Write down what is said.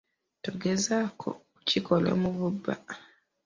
Togezaako kukikola mu bubba.